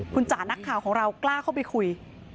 คุณจ๋านักข่าวของเรากล้าเข้าไปคุย